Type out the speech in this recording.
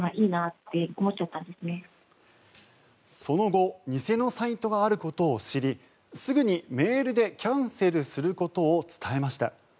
その後偽のサイトがあることを知りすぐにメールでキャンセルすることを伝えました。